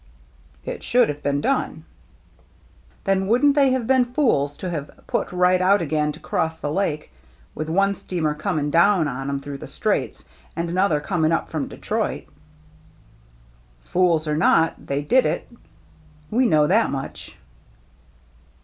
" It should have been done." "Then wouldn't they have been fools to have put right out again to cross the Lake — with one steamer coming down on 'em through the Straits and another coming up from Detroit?" THE GINGHAM DRESS 255 " Fools or not, they did it. We know that much."